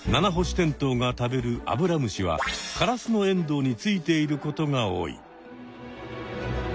テントウが食べるアブラムシはカラスノエンドウについていることが多い。